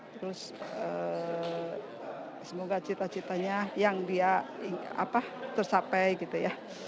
terus semoga cita citanya yang dia tersapai gitu ya